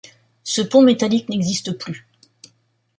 Ce pont métallique n’existe plus.